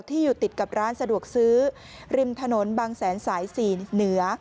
อยู่ติดกับร้านสะดวกซื้อริมถนนบางแสนสาย๔เหนือ